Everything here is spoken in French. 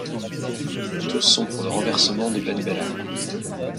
Tous sont pour le renversement de Ben Bella.